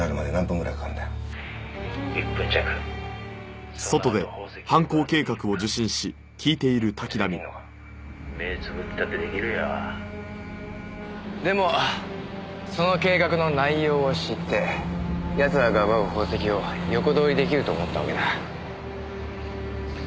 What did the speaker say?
「目つぶったって出来るよ」でもその計画の内容を知って奴らが奪う宝石を横取り出来ると思ったわけだ。